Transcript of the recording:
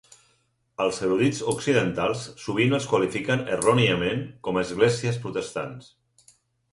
Els erudits occidentals sovint els qualifiquen erròniament com esglésies protestants.